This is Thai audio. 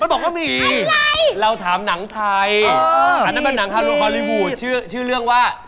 บอกว่ามีเราถามหนังไทยอันนั้นเป็นหนังฮารุฮอลลี่วูดชื่อเรื่องว่า